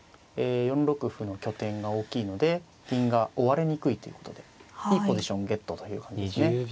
４六歩の拠点が大きいので銀が追われにくいということでいいポジションゲットという感じですね。